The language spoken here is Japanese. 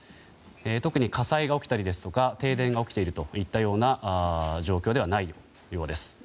特に火災が起きたりですとか停電が起きているといったような状況ではないようです。